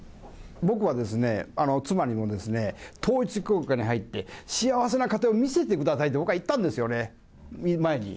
僕はですね、妻にもですね、統一教会に入って、幸せな家庭を見せてくださいって、僕は言ったんですよね、前に。